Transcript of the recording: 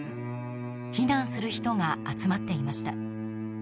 避難する人が集まっていました。